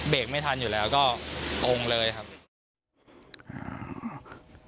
ไม่ทันอยู่แล้วก็องค์เลยครับ